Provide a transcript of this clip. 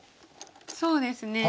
そうですね。